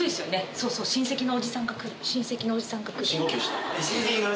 そうそう親戚のおじさんが来る親戚のおじさんが来るえっ